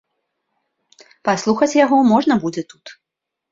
Паслухаць яго можна будзе тут.